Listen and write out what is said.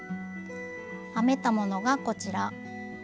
編めたものがこちら。